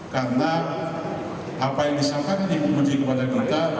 karena apa yang disampaikan dan diberikan kepada kita